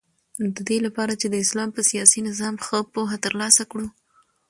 ددې لپاره چی د اسلام په سیاسی نظام ښه پوهه تر لاسه کړو